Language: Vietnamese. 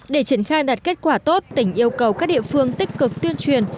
để triển khai đạt kết quả tốt tỉnh yêu cầu các địa phương tích cực tuyên truyền